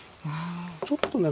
ちょっとね